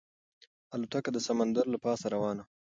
الوتکه د سمندر له پاسه روانه وه.